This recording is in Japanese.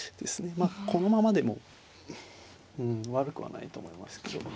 まあこのままでも悪くはないと思いますけども。